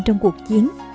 trong cuộc chiến